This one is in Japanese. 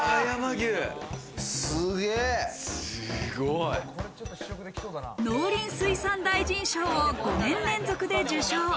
さらに。農林水産大臣賞を５年連続で受賞。